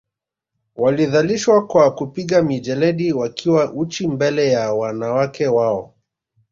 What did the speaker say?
Walidhalishwa kwa kupigwa mijeledi wakiwa uchi mbele ya wanawake wao